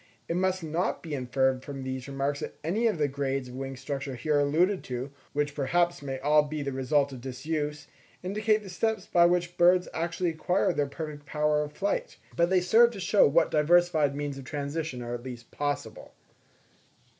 It must not be inferred from these remarks that any of the grades of wing structure here alluded to, which perhaps may all be the result of disuse, indicate the steps by which birds actually acquired their perfect power of flight; but they serve to show what diversified means of transition are at least possible.